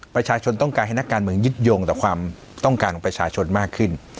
ประชาชนต้องการให้นักการเมืองยึดโยงต่อความต้องการของประชาชนมากขึ้น